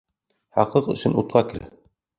Хаҡлыҡ өсөн утҡа кер.